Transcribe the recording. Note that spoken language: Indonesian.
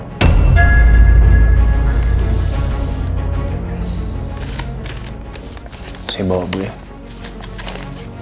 tidak ada hubungannya dengan deniz yang menghilang